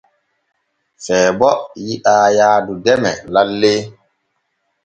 Seebo yiɗaa yaadu deme lalle.